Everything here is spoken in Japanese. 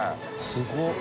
すごい。